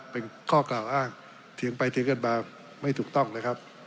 เป็นข้อกล่าวอ้างเถียงไปเถียงกันมาไม่ถูกต้องนะครับ